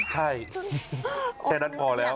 ใช่แค่นั้นพอแล้ว